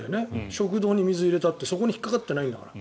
食道に水を入れたってそこに引っかかっていないんだから。